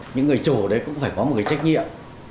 những người chủ ở đây cũng phải có một cái trách nhiệm